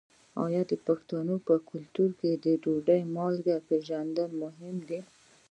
آیا د پښتنو په کلتور کې د ډوډۍ مالګه پیژندل مهم نه دي؟